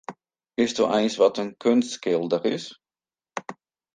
Witsto eins wat in keunstskilder is?